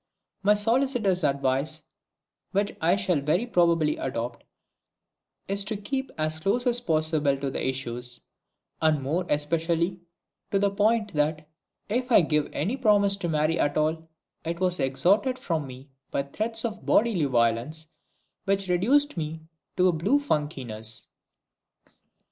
My solicitor's advice, which I shall very probably adopt, is to keep as close as possible to the issues, and more especially to the point that, if I gave any promise to marry at all, it was extorted from me by threats of bodily violence which reduced me to a blue funkiness.